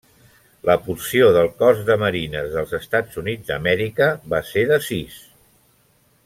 La porció del Cos de Marines dels Estats Units d'Amèrica va ser de sis.